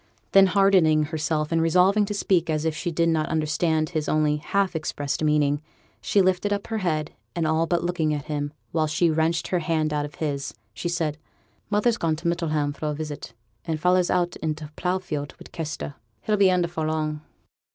Then hardening herself, and resolving to speak as if she did not understand his only half expressed meaning, she lifted up her head, and all but looking at him while she wrenched her hand out of his she said: 'Mother's gone to Middleham for a visit, and feyther's out i' t' plough field wi' Kester; but he'll be in afore long.'